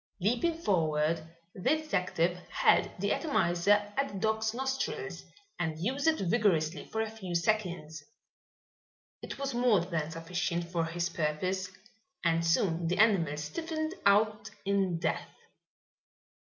Leaping forward, the detective held the atomizer at the dog's nostrils and used it vigorously for a few seconds. It was more than sufficient for his purpose and soon the animal stiffened out in death.